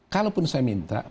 kalaupun saya minta